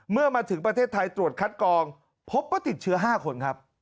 เมื่อมาถึงประเทศไทยตรวจคัดกองพบว่าติดเชื้อ๕คนครับ